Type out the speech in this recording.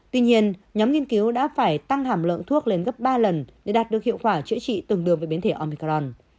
tuy nhiên nhóm nghiên cứu đã phải tăng hàm lượng thuốc lên gấp ba lần để đạt được hiệu quả chữa trị từng đường về biến thể omicron